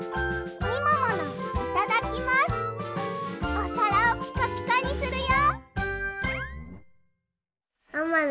おさらをピカピカにするよ！